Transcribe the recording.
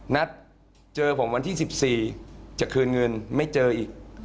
นัดเจอผมวันที่๑๔จะคืนเงินไม่เจออีก